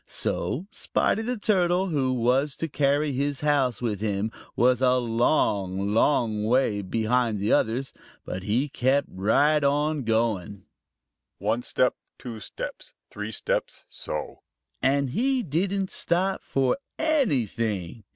So Spotty the Turtle, who has to carry his house with him, was a long, long way behind the others. But he kept right on going. "One step, two steps, three steps, so!" and he didn't stop for anything.